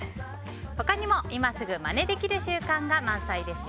他にも、今すぐまねできる習慣が満載です。